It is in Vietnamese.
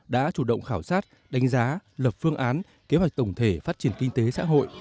đã chủ động khảo sát đánh giá lập phương án kế hoạch tổng thể phát triển kinh tế xã hội